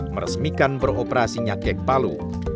meresmikan beroperasinya kek palu